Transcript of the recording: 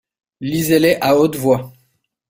Lisez-les à voix haute.